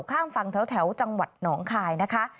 ข้ามฝั่งแถวจังหวัดหนองคายนะคะ